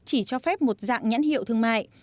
chỉ cho phép một dạng nhãn hiệu thương mại